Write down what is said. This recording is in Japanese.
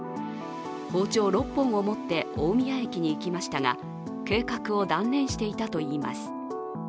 包丁６本を持って大宮駅に行きましたが、計画を断念していたといいます。